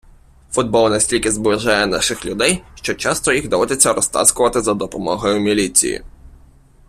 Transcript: Футбол настільки зближає наших людей, що часто їх доводиться розтаскувати за допомогою міліції